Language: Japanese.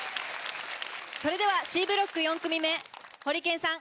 それではＣブロック４組目ホリケンさん